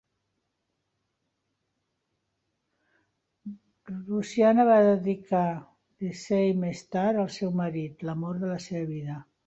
Rusiana va dedicar "The Same Star" al seu marit, l"amor de la seva vida.